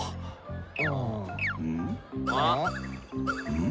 うん？